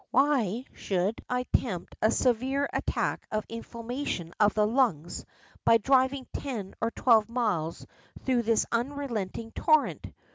Why should I tempt a severe attack of inflammation of the lungs by driving ten or twelve miles through this unrelenting torrent?